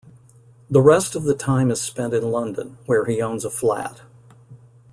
The rest of the time is spent in London, where he owns a flat.